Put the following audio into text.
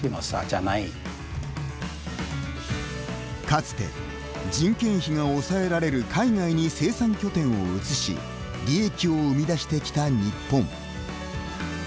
かつて、人件費が抑えられる海外に生産拠点を移し利益を生み出してきた日本。